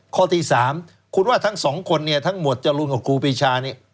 ข้อที่๓คุณว่าทั้ง๒คนทั้งหมวดจรุงและครูปีชา